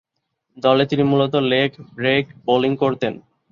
দলে তিনি মূলতঃ লেগ-ব্রেক বোলিং করতেন।